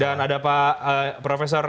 dan ada pak profesor hekung